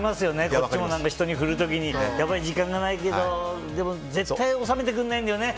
こっちも人に振る時にやばい、時間がないけどでも、絶対収めてくれないんだよね